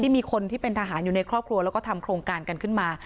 มีคนที่เป็นทหารอยู่ในครอบครัวแล้วก็ทำโครงการกันขึ้นมา